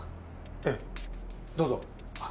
ええどうぞ。